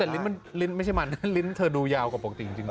แต่ลิ้นไม่ใช่มันลิ้นเธอดูยาวกว่าปกติจริง